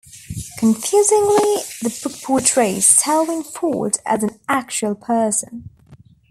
Confusingly the book portrays Selwyn Ford as an actual person.